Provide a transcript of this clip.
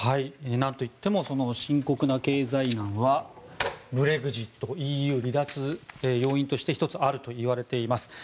なんといってもその深刻な経済難はブレグジットＥＵ離脱、要因として１つあるといわれています。